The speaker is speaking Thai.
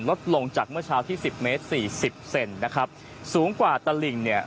ลดลงจากเมื่อเช้าที่สิบเมตรสี่สิบเซนนะครับสูงกว่าตลิ่งเนี่ย